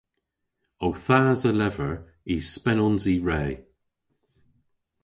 Ow thas a lever y spenons i re.